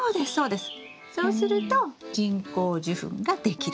そうすると人工授粉ができる。